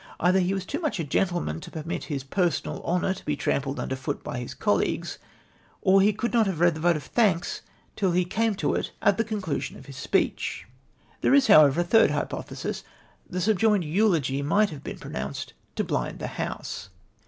Either he was too much a gentleman to permit his personal honour t(3 be trampled imder foot by his colleagues, or he could not have read the vote of thanks till he came to it at the conclusion of his speech. There is, however, a third hypothesis. The subjoined eulogy might have been pronounced to blind the House.